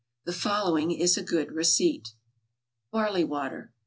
The following is a good receipt: =Barley Water.